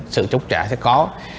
sự trúc trả sẽ có